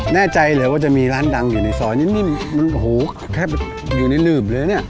แน่ใจเหรอว่าจะมีร้านดังอยู่ในศนอยู่ในเหนือบเลยเนี่ย